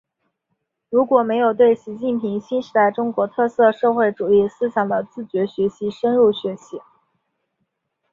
如果没有对习近平新时代中国特色社会主义思想的自觉学习深入学习